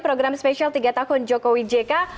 program spesial tiga tahun jokowi jk